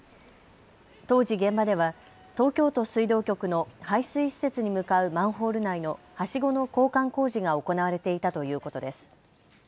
当時、現場では東京都水道局の排水施設に向かうマンホール内のはしごの交換工事が行われていたということです。